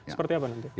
seperti apa nanti